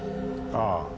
ああ。